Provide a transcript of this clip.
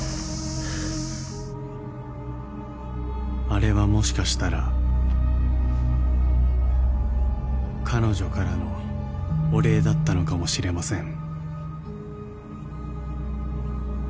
［あれはもしかしたら彼女からのお礼だったのかもしれません］